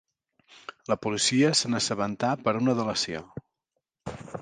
La policia se n'assabentà per una delació.